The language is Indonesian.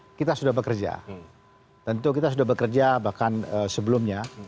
karena kita sudah bekerja tentu kita sudah bekerja bahkan sebelumnya